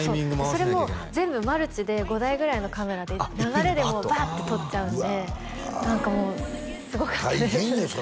それも全部マルチで５台ぐらいのカメラで流れでバッて撮っちゃうんで何かもうすごかったです